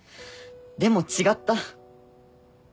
でも違った。